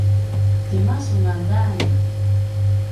tima su ngadan?